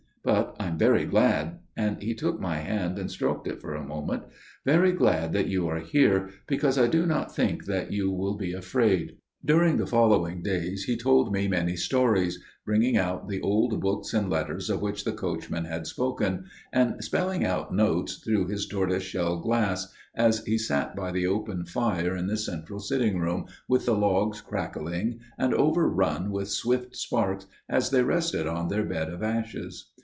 But I am very glad," and he took my hand and stroked it for a moment, "very glad that you are here, because I do not think that you will be afraid." During the following days he told me many stories, bringing out the old books and letters of which the coachman had spoken, and spelling out notes through his tortoiseshell glass, as he sat by the open fireplace in the central sitting room, with the logs crackling and overrun with swift sparks as they rested on their bed of ashes.